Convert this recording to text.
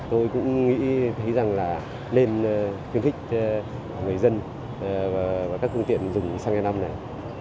tôi cũng nghĩ thấy rằng là nên thương thích người dân và các công tiện dùng xăng e năm này